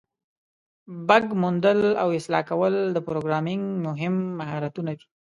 بګ موندل او اصلاح کول د پروګرامینګ مهم مهارتونه دي.